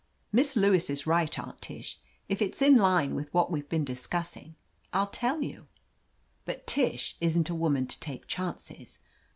"Miss Lewis is right. Aunt Tish. If it's in line with what we've been discussing, I'll tell you." 103 THE AMAZING ADVENTURES But Tish isn't a woman to take chances.